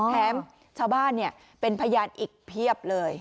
แถมชาวบ้านเป็นพยานอีกเพียบเลย